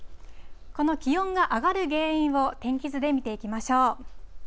この気温が上がる原因を、天気図で見ていきましょう。